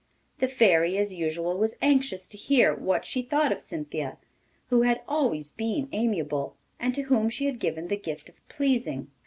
The Fairy, as usual, was anxious to hear what she thought of Cynthia, who had always been amiable, and to whom she had given the gift of pleasing.